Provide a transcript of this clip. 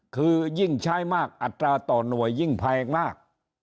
คือยิ่งใช้มากอัตราต่อหน่วยยิ่งแพงมาก